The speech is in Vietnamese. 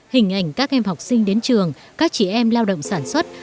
hình ảnh các em học sinh đến trường các chị em lao động sản xuất